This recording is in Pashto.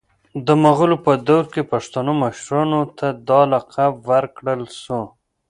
د مغولو په دور کي پښتنو مشرانو ته دا لقب ورکړل سو